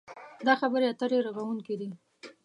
دا خبرې اترې رغوونکې دي.